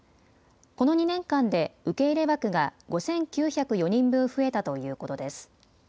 この２年間で受け入れ枠が５９０４人分増えたということです。